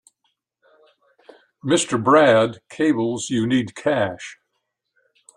Mr. Brad cables you need cash.